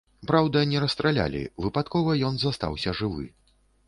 Праўда, не расстралялі, выпадкова ён застаўся жывы.